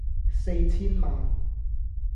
四千萬